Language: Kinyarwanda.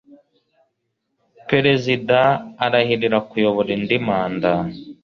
perezida arahirira kuyobora indi manda